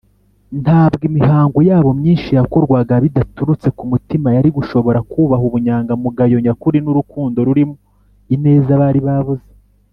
ntabwo imihango yabo myinshi yakorwaga bidaturutse ku mutima yari gushobora kubaha ubunyangamugayo nyakuri n’urukundo rurimo ineza bari babuze,